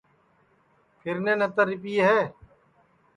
پھیرنے نتر رِپیئے ہے